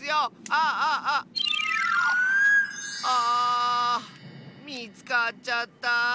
あみつかっちゃった！